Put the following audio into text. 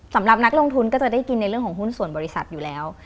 สำหรับนักลงทุนก็จะได้กินในเรื่องของหุ้นส่วนบริษัทอยู่แล้ว